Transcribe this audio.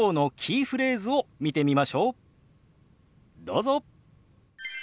どうぞ。